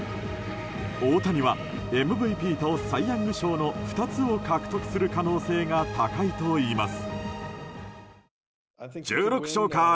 大谷はＭＶＰとサイ・ヤング賞の２つを獲得する可能性が高いといいます。